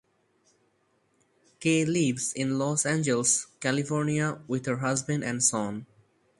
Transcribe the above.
Kay lives in Los Angeles, California with her husband and son.